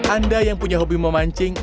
anda yang punya hobi memancing